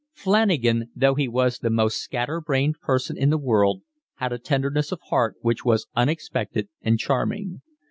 Flanagan, though he was the most scatter brained person in the world, had a tenderness of heart which was unexpected and charming.